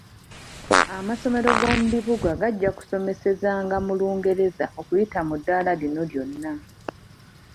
Amasomero go mu bibuga gajja kusomesezanga mu Lungereza okuyita mu ddala lino lyonna .